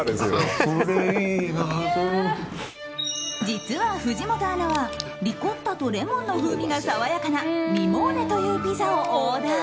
実は藤本アナはリコッタとレモンの風味が爽やかなリモーネというピザをオーダー。